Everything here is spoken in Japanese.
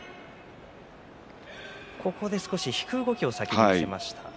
少し引く動きを先に見せました。